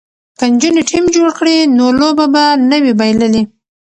که نجونې ټیم جوړ کړي نو لوبه به نه وي بایللې.